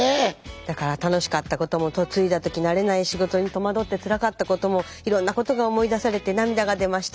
だから楽しかったことも嫁いだ時慣れない仕事に戸惑ってつらかったこともいろんなことが思い出されて涙が出ました。